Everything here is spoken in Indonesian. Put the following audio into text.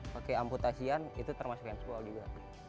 pakai amputasian itu termasuk handsball juga